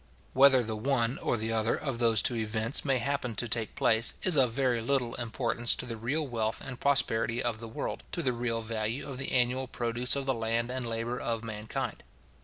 Whether the one or the other of those two events may happen to take place, is of very little importance to the real wealth and prosperity of the world, to the real value of the annual produce of the land and labour of mankind.